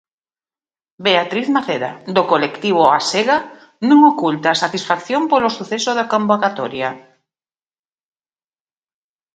Beatriz Maceda, do colectivo A Sega, non oculta a satisfacción polo suceso da convocatoria.